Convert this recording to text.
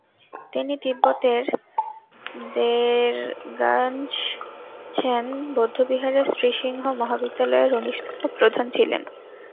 তিনি তিব্বতের র্দ্জোগ্স-ছেন বৌদ্ধবিহারের শ্রী সিংহ মহাবিদ্যালয়ের উনিশতম প্রধান ছিলেন।